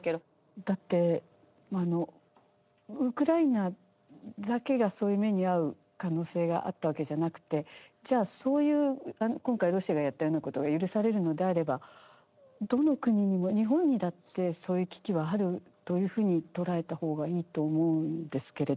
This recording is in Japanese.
だってウクライナだけがそういう目に遭う可能性があったわけじゃなくてじゃあそういう今回ロシアがやったようなことが許されるのであればどの国にも日本にだってそういう危機はあるというふうに捉えた方がいいと思うんですけれど。